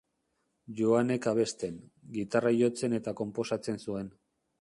Joanek abesten, gitarra jotzen eta konposatzen zuen.